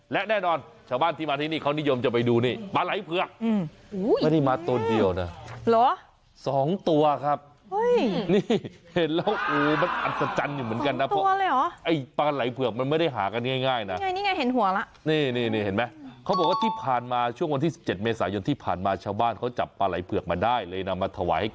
และแน่นอนชาวบ้านที่มาที่นี่เขานิยมจะไปดูนี่ปลาไหล่เผือก